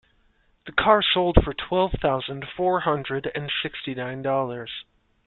The car sold for twelve thousand four hundred and sixty nine dollars.